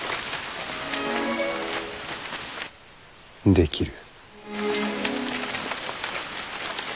できる。